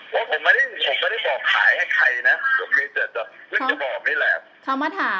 ผมไม่ได้บอกขายให้ใครนะ